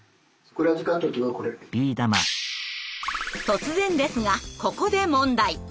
突然ですがここで問題。